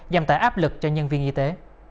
giảm tải áp lực cho nhân viên y tế